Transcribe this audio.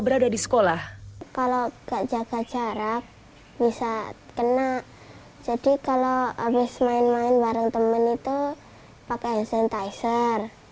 berada di sekolah kalau kejar bisa kena jadi kalau habis main main bareng temen itu pakai sanitizer